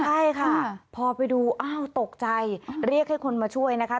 ใช่ค่ะพอไปดูอ้าวตกใจเรียกให้คนมาช่วยนะคะ